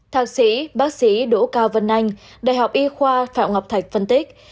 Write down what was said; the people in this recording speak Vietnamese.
thạc sĩ bác sĩ đỗ cao vân anh đại học y khoa phạm ngọc thạch phân tích